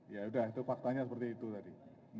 ya udah itu faktanya seperti itu tadi